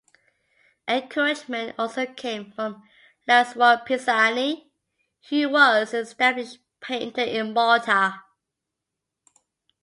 Encouragement also came from Lazzaro Pisani who was an established painter in Malta.